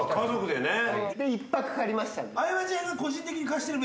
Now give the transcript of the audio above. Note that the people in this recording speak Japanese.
で１泊借りました。